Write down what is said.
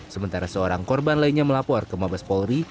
sementara seorang korban lainnya melapor ke mabes polri